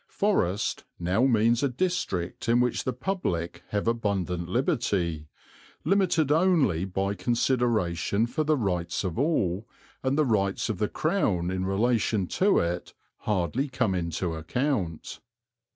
"Forest" now means a district in which the public have abundant liberty, limited only by consideration for the rights of all, and the rights of the Crown in relation to it hardly come into account.